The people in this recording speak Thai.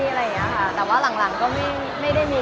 มันเป็นเรื่องน่ารักที่เวลาเจอกันเราต้องแซวอะไรอย่างเงี้ย